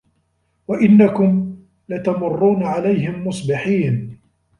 وَإِنَّكُم لَتَمُرّونَ عَلَيهِم مُصبِحينَ